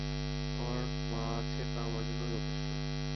আমার যা আছে তা আমার জন্যে যথেষ্ট।